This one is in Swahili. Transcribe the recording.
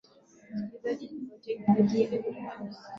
msikilizaji jipatie gazetini hii utaipata kwa undani